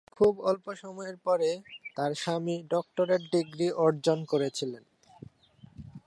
এর খুব অল্প সময়ের পরে, তার স্বামী ডক্টরেট ডিগ্রি অর্জন করেছিলেন।